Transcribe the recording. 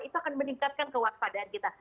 itu akan meningkatkan kewaspadaan kita